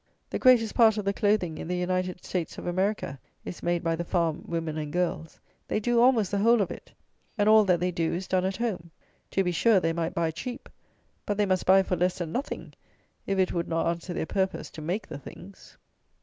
The greatest part of the clothing in the United States of America is made by the farm women and girls. They do almost the whole of it; and all that they do is done at home. To be sure, they might buy cheap; but they must buy for less than nothing, if it would not answer their purpose to make the things.